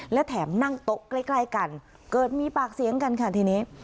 และแถมนั่งโต๊ะใกล้กันเกิดมีปากเสียงกันค่ะทีนี้